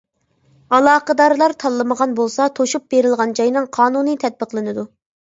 ئالاقىدارلار تاللىمىغان بولسا، توشۇپ بېرىلغان جاينىڭ قانۇنى تەتبىقلىنىدۇ.